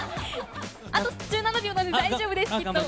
あと１７秒なので大丈夫です！